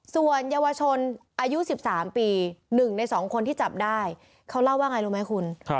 ส่วนเยาวชนอายุ๑๓ปี๑ใน๒คนที่จับได้เขาเล่าว่าไงรู้ไหมคุณ